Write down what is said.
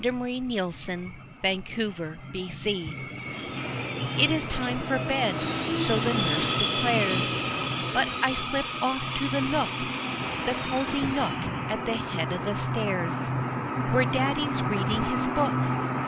His Own Little Black Eyed Lad It is time for bed, so the nurse declares, But I slip off to the nook, The cosy nook at the head of the stairs, Where daddy's reading his book.